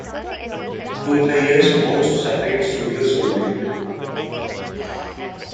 Through the years more separate studios were built.